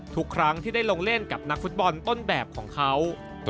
ทุกครั้งที่ได้ลงเล่นกับนักฟุตบอลต้นแบบของเขา